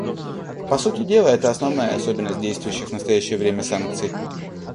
По сути дела, это основная особенность действующих в настоящее время санкций.